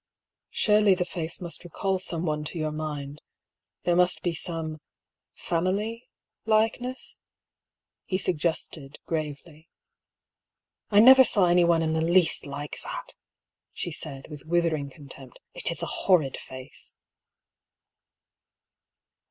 " Surely the face must recall some one to your mind — there must be some — family — likeness?" he sug gested, gravely. " I never saw any one in the least like that !" she said, with withering contempt. " It is a horrid face